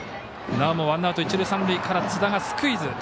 なおもワンアウト、一塁三塁から津田がスクイズ。